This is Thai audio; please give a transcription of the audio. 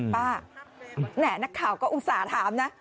แหมนักข่าวก็อุตส่าห์ถามนะ